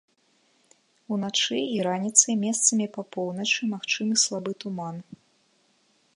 Уначы і раніцай месцамі па поўначы магчымы слабы туман.